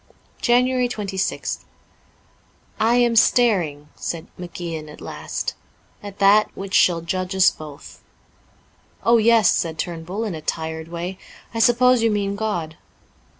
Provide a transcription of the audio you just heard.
26 JANUARY 26th * T AM staring, ' said Maclan at last, * at that 1. which shall judge us both.' *0h yes,' said TurnbuU in a tired way ;' I suppose you mean God.'